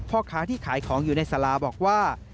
พ่อค้าที่ขายของอยู่ในสาราบอกว่า